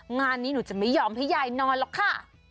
งานนี้หนูจะไม่ยอมให้ยายนอนหรอกค่ะ